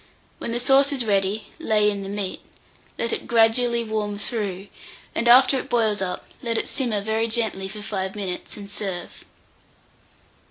When the sauce is ready, lay in the meat; let it gradually warm through, and, after it boils up, let it simmer very gently for 5 minutes, and serve.